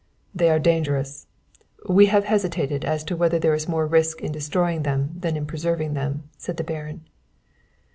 "They are dangerous. We have hesitated as to whether there was more risk in destroying them than in preserving them," said the Baron.